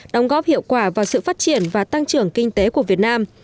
đóng góp hiệu quả vào sự phát triển và tăng trưởng kinh tế của việt nam